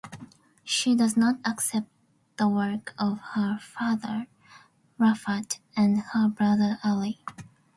She does not accept the work of her father Rafat and her brother Ali.